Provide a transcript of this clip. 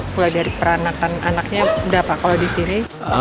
mulai dari peranakan anaknya berapa kalau di sini